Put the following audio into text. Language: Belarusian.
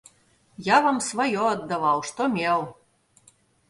Я вам сваё аддаваў, што меў!